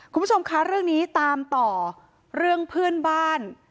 คุณผู้ชมคะเรื่องนี้ตามต่อเรื่องเพื่อนบ้าน